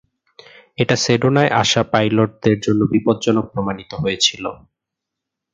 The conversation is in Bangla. এটা সেডোনায় আসা পাইলটদের জন্য বিপদজনক প্রমাণিত হয়েছিল।